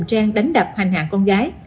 giúp trang đánh đập hành hạ con gái